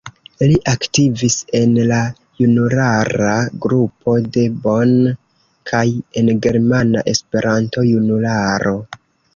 Li aktivis en la junulara grupo de Bonn kaj en Germana Esperanto-Junularo.